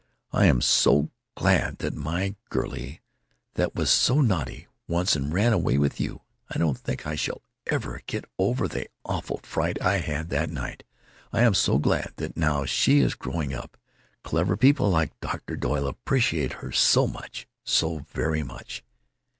"I am so glad that my girly, that was so naughty once and ran away with you—I don't think I shall ever get over the awful fright I had that night!—I am so glad that, now she is growing up, clever people like Dr. Doyle appreciate her so much, so very much."